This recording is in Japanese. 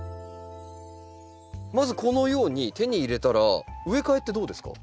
まずこのように手に入れたら植え替えってどうですか？